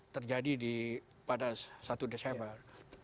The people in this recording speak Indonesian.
terjadi pada satu desember